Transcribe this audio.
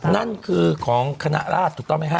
นั่นคือของคณะราชถูกต้องไหมฮะ